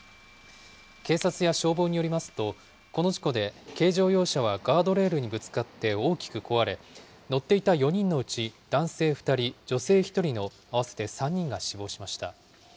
警察や消防によりますと、この事故で軽乗用車はガードレールにぶつかって大きく壊れ、乗っていた４人のうち男性２人、女性１人の合わせて３人が死亡しました。